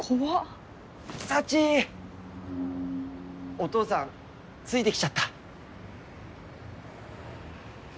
お父さんついてきちゃった。